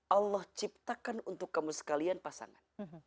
allah ciptakan untuk kamu sekalian pasangan